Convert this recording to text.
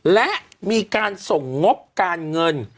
และมีการส่งงบการเงิน